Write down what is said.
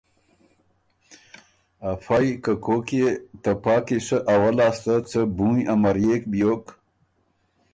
افئ که کوک يې ته پا قیصۀ اول لاسته څه بُوںیٛ امريېک بیوک